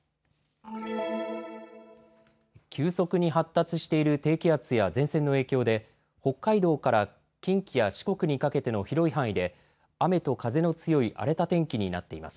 急速に発達している低気圧や前線の影響で北海道から近畿や四国にかけての広い範囲で雨と風の強い荒れた天気になっています。